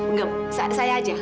nggak saya aja